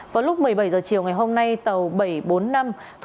vào lúc một mươi bảy h chiều hôm nay chiếc xe tải đã rơi xuống vực sâu